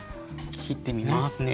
切ってみますね。